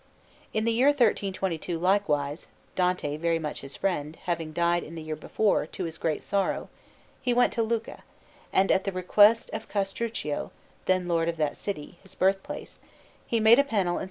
In the year 1322, likewise Dante, very much his friend, having died in the year before, to his great sorrow he went to Lucca, and at the request of Castruccio, then Lord of that city, his birthplace, he made a panel in S.